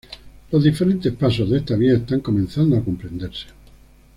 Los diferentes pasos de esta vía están comenzando a comprenderse.